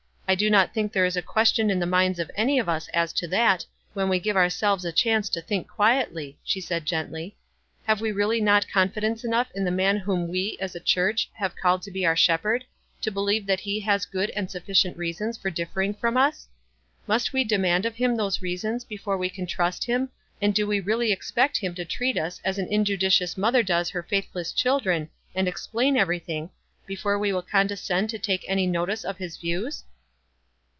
"I do not think there is a question in the minds of any of us as to that, when we give ourselves a chance to think quietly," she said gently. " Have we really not confidence enough in the man whom we, as a church, have called to be our shepherd, to believe that he has good and sufficient reasons for differing from us? Must we demand of him those reasons before we can trust him, and do we really expect him to treat us as an injudiciou3 mother does her faith less children, and explain evevy thing, before we will condescend to take any notice of his views?"